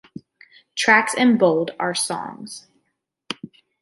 Tracks in bold are songs.